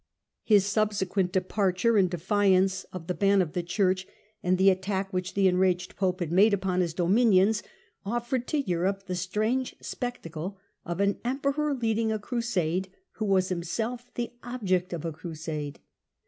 His subsequent departure in defiance of the 281 282 STUPOR MUNDI ban of the Church and the attack which the enraged Pope had made upon his dominions, offered to Europe the strange spectacle of an Emperor leading a Crusade who was himself the object of a Crusade.